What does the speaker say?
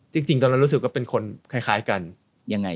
จริงตอนนั้นรู้สึกเป็นคนคล้ายกัน